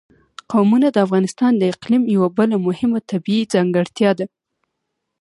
قومونه د افغانستان د اقلیم یوه بله مهمه طبیعي ځانګړتیا ده.